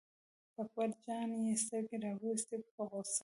په اکبر جان یې سترګې را وویستې په غوسه.